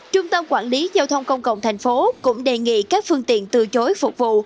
trung tâm quản lý giao thông công cộng thành phố cũng đề nghị các phương tiện từ chối phục vụ